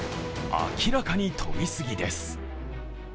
明らかに取りすぎです。